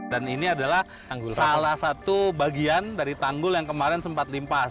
dan ini adalah salah satu bagian dari tanggul yang kemarin sempat limpas